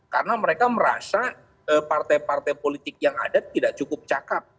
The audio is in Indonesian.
karena mereka merasa partai partai politik yang ada tidak cukup cakep